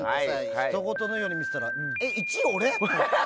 ひとごとのように見てたらえ、１位俺？